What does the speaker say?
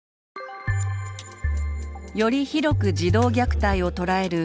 より広く児童虐待をとらえる